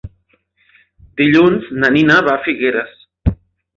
Dilluns na Nina va a Figueres.